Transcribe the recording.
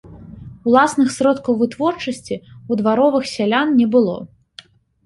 Уласных сродкаў вытворчасці ў дваровых сялян не было.